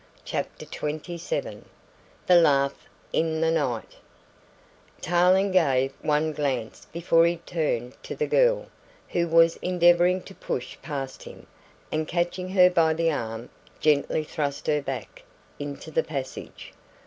CHAPTER XXVII THE LAUGH IN THE NIGHT Tarling gave one glance before he turned to the girl, who was endeavouring to push past him, and catching her by the arm gently thrust her back into the passage.